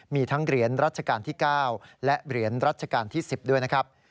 มีทั้งเหรียญรัชกาลที่๙และเหรียญรัชกาลที่๑๐ด้วยนะครับ